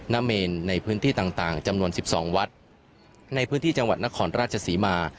เมนในพื้นที่ต่างจำนวน๑๒วัดในพื้นที่จังหวัดนครราชศรีมา